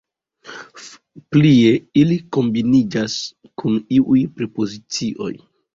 Plie, ili kombiniĝas kun iuj prepozicioj.